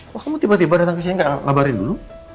kok kamu tiba tiba dateng kesini gak ngabarin dulu